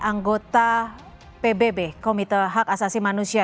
anggota pbb komite hak asasi manusia